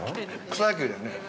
◆草野球だよね。